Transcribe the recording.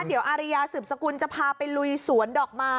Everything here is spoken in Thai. เดี๋ยวอาริยาสืบสกุลจะพาไปลุยสวนดอกไม้